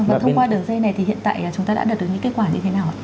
vâng thông qua đường dây này thì hiện tại chúng ta đã đạt được những kết quả như thế nào ạ